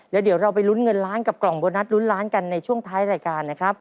เดี๋ยวเราไปลุ้นเงินล้านกับกล่องโบนัสลุ้นล้านกันในช่วงท้ายรายการนะครับ